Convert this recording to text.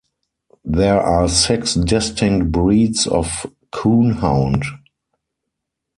There are six distinct breeds of coonhound.